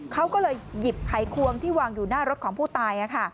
เขาก็เลยหยิบไขควงที่วางอยู่หน้ารถของผู้ตาย